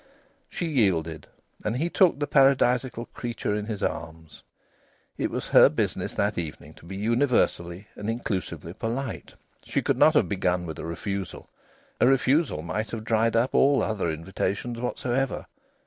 She yielded, and he took the paradisaical creature in his arms. It was her business that evening to be universally and inclusively polite. She could not have begun with a refusal. A refusal might have dried up all other invitations whatsoever.